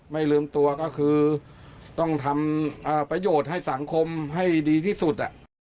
ไม่ลืมตัวก็คือต้องทำประโยชน์ให้สังคมให้ดีที่สุด